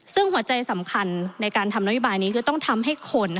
ซึ่งหัวใจสำคัญในการทำนโยบายนี้คือต้องทำให้คน